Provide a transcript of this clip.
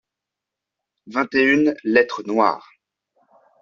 Vingt et une lettres noires.